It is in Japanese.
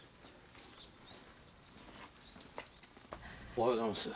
おはようございます。